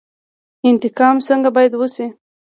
انتقاد څنګه باید وشي؟